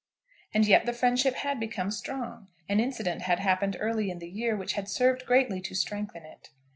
And yet the friendship had become strong. An incident had happened early in the year which had served greatly to strengthen it.